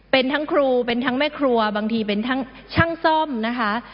เป็นทั้งแม่ครัวบางทีเป็นทั้งช่างซ่อมนะคะ